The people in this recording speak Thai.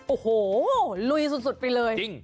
โอ้โหลุยสุดไปเลยจริง